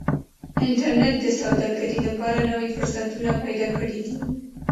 انټرنيټ د سوداګرۍ لپاره نوي فرصتونه پیدا کړي دي.